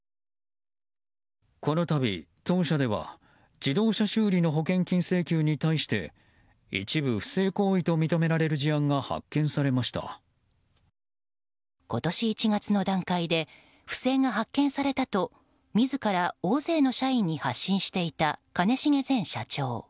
このたび、当社では自動車修理の保険金請求に対して一部、不正行為と認められる事案が今年１月の段階で不正が発見されたと自ら大勢の社員に発信していた兼重前社長。